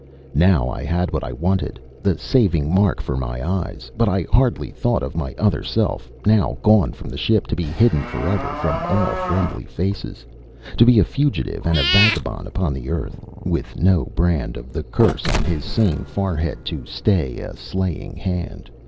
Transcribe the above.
Now I had what I wanted the saving mark for my eyes. But I hardly thought of my other self, now gone from the ship, to be hidden forever from all friendly faces, to be a fugitive and a vagabond on the earth, with no brand of the curse on his sane forehead to stay a slaying hand...